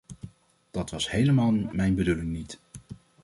Dat was helemaal mijn bedoeling niet.